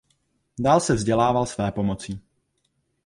Dál se vzdělával svépomocí.